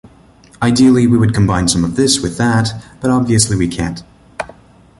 Ideally, we would combine some of this with that, but obviously we can't.